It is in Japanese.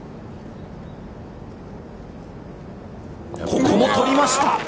ここも取りました！